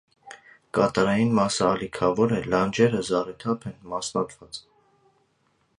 Կատարային մասը ալիքավոր է, լանջերը զառիթափ են, մասնատված։